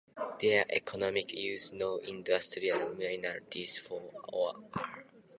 There are no industrial or economic uses for this mineral.